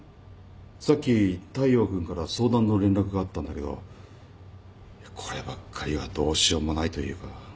さっき大陽君から相談の連絡があったんだけどこればっかりはどうしようもないというか。